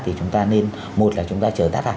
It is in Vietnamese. thì chúng ta nên một là chúng ta chờ tắt hẳn